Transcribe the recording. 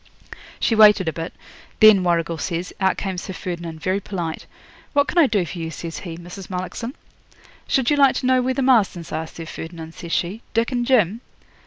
'She waited a bit. Then, Warrigal says, out came Sir Ferdinand, very polite. "What can I do for you," says he, "Mrs. Mullockson?" '"Should you like to know where the Marstons are, Sir Ferdinand," says she, "Dick and Jim?"